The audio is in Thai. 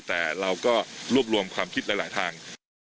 แต่เราก็รวบรวมความคิดหลายทาง